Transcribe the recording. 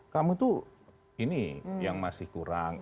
kamu tuh ini yang masih kurang